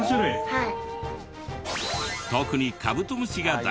はい。